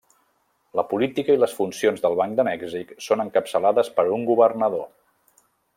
La política i les funcions del Banc de Mèxic són encapçalades per un governador.